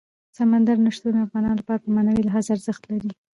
سمندر نه شتون د افغانانو لپاره په معنوي لحاظ ارزښت لري.